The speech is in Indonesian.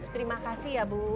terima kasih ya ibu